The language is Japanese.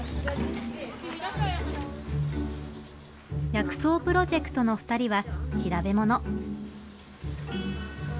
薬草プロジェクトの２人は調べ物。